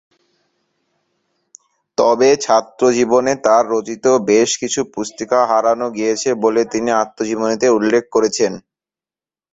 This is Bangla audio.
তবে ছাত্রজীবনে তার রচিত বেশ কিছু পুস্তিকা হারানো গিয়েছে বলে তিনি আত্মজীবনীতে উল্লেখ করেছেন।